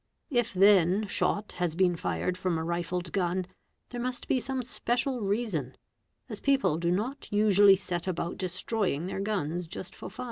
If then shot has been fired from a rifled gun, there must be some special reason—as people do not usually set about destroying their guns just — for fun.